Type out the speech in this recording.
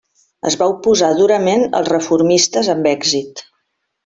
Es va oposar durament als reformistes amb èxit.